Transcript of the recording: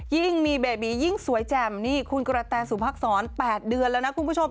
ยิ่งมีเบบียิ่งสวยแจ่มนี่คุณกระแตสุภักษร๘เดือนแล้วนะคุณผู้ชม